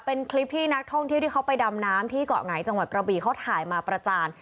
เป็นคลิปที่นักท่องเที่ยวที่เขาไปดำน้ำที่เกาะหงายจังหวัดกระบีเขาถ่ายมาประจาน